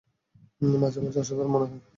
মাঝেমাঝে অসাধারণ মনে হয়!